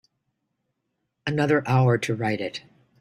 Another hour to write it.